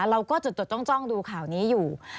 เราก็จดจ้องดูข่าวนี้อยู่